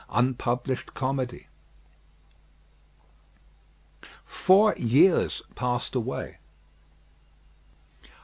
Unpublished Comedy Four years passed away.